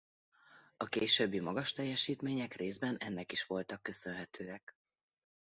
A későbbi magas teljesítmények részben ennek is voltak köszönhetőek.